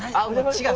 違う。